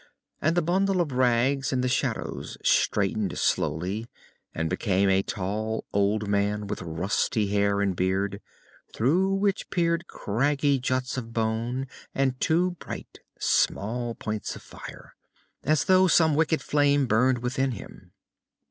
And the bundle of rags in the shadows straightened slowly and became a tall old man with rusty hair and beard, through which peered craggy juts of bone and two bright, small points of fire, as though some wicked flame burned within him.